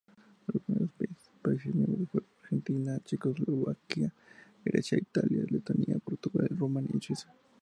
Los primeros países miembros fueron Argentina, Checoslovaquia, Grecia, Italia, Letonia, Portugal, Rumania y Suiza.